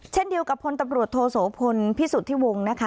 เช่นเดียวกับพลตำรวจโทโสพลพิสุทธิวงศ์นะคะ